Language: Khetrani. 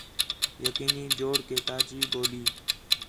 یقینی جوڑ کہ تاجی ٻولی